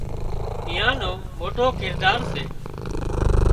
ايئان نو موٽو ڪردار سي